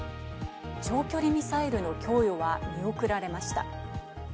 長距離ミサイルの供与は見送られました。